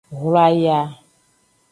Hlwaya.